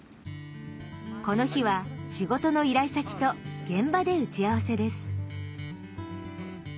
この日は仕事の依頼先と現場で打ち合わせです。